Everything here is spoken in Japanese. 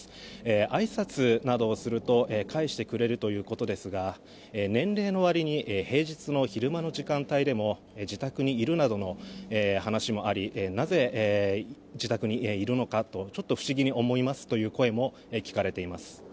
あいさつなどをすると返してくれるということですが年齢のわりに平日の昼間の時間帯でも自宅にいるなどの話もありなぜ、自宅にいるのかとちょっと不思議に思いますという声も聞かれています。